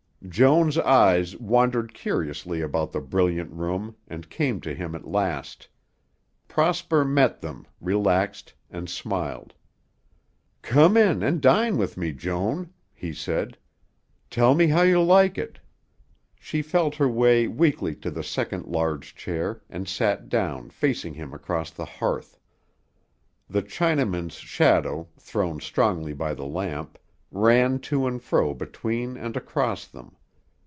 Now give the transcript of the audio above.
Joan's eyes wandered curiously about the brilliant room and came to him at last. Prosper met them, relaxed, and smiled. "Come in and dine with me, Joan," he said. "Tell me how you like it." She felt her way weakly to the second large chair and sat down facing him across the hearth. The Chinaman's shadow, thrown strongly by the lamp, ran to and fro between and across them.